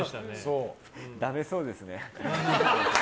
だめそうですね。